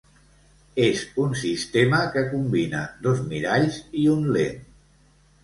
És un sistema que combina dos miralls i un lent.